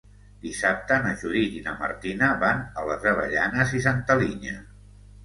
Dissabte na Judit i na Martina van a les Avellanes i Santa Linya.